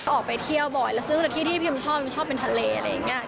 ออกไปเที่ยวบ่อยแล้วซึ่งที่พิมชอบพิมชอบเป็นทะเลอะไรอย่างนี้